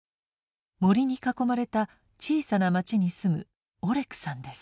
森に囲まれた小さな町に住むオレクさんです。